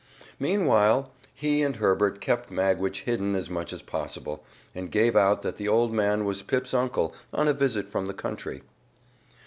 Meanwhile he and Herbert kept Magwitch hidden as much as possible, and gave out that the old man was Pip's uncle, on a visit from the country.